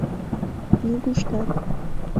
Нигуштат.